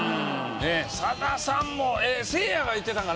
さださんもせいやが言ってたんかな？